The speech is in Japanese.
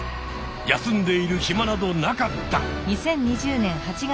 休んでいるひまなどなかった。